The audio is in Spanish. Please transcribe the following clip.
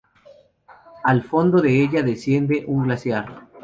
Al fondo de ella desciende un glaciar.